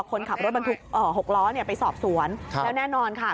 คนขับรถบรรทุก๖ล้อเนี่ยไปสอบสวนแล้วแน่นอนค่ะ